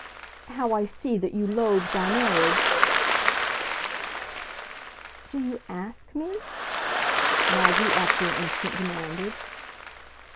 "How I see that you loathed our marriage!" "Do you ASK me?" Maggie after an instant demanded.